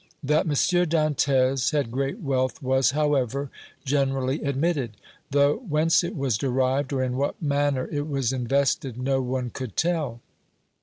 That M. Dantès had great wealth was, however, generally admitted, though whence it was derived or in what manner it was invested no one could tell.